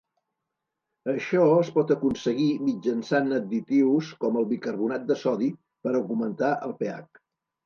Això es pot aconseguir mitjançant additius com el bicarbonat de sodi per augmentar el pH.